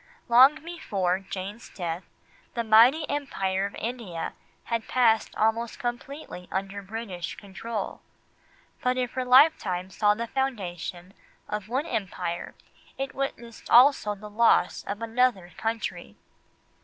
Long before Jane's death, the mighty Empire of India had passed almost completely under British control. But if her lifetime saw the foundation of one Empire it witnessed also the loss of another country.